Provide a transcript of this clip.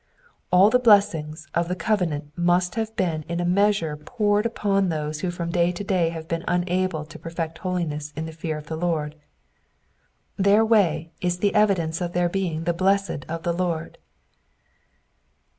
All the blessings of the covenant must have been in a measure poured upon those who from day to day have been unable to perfect holiness in the fear of the Lord. Their way is the evidence of their being the blessed of the Lord.